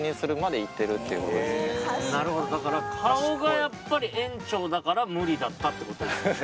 なるほどだから顔がやっぱり園長だから無理だったってことですね